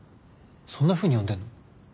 そんなふうに呼んでんの？